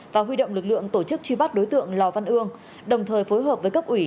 và huy động lực lượng tổ chức truy bắt đối tượng lò văn ương đồng thời phối hợp với cấp ủy